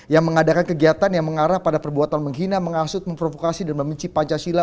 yang mengadakan kegiatan yang mengarah pada perbuatan menghina mengasut memprovokasi dan membenci pancasila